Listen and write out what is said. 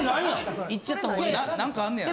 言っちゃった方がいいですよ。